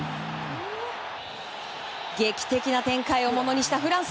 劇的な展開をものにしたフランス。